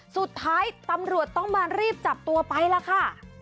สุดท้ายตำรวจต้องมารีบจับตัวไปล่ะค่ะ